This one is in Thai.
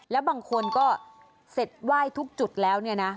แล้วบางคนก็เสร็จไหว้ทุกจุดแล้วเนี่ยนะ